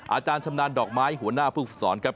ชำนาญดอกไม้หัวหน้าผู้ฝึกสอนครับ